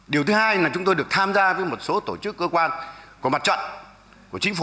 điều thứ hai là chúng tôi được tham gia với một số tổ chức cơ quan của mặt trận của chính phủ